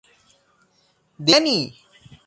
They killed Kenny!